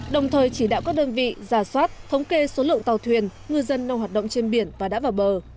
đồng thời chỉ đạo các đơn vị giả soát thống kê số lượng tàu thuyền ngư dân nông hoạt động trên biển và đã vào bờ